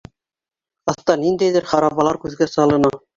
Аҫта ниндәйҙер харабалар күҙгә салына.